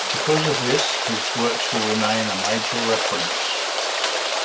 Because of this, his works will remain a major reference.